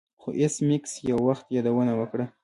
خو ایس میکس یو وخت یادونه وکړه